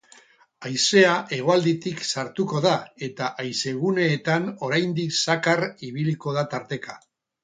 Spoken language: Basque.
Haizea hegoaldetik sartuko da, eta haizeguneetan oraindik zakar ibiliko da tarteka.